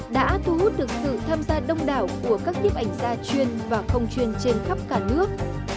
đã thu hút được sự tham gia đông đảo của các nhiếp ảnh gia chuyên và không chuyên trên khắp cả nước